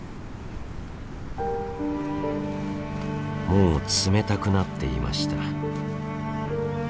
もう冷たくなっていました。